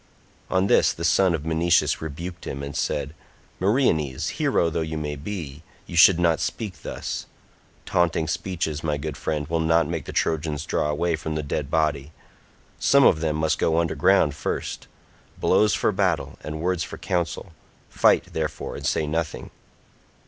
On this the son of Menoetius rebuked him and said, "Meriones, hero though you be, you should not speak thus; taunting speeches, my good friend, will not make the Trojans draw away from the dead body; some of them must go under ground first; blows for battle, and words for council; fight, therefore, and say nothing."